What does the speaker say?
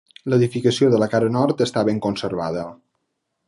L'edificació de la cara nord està ben conservada.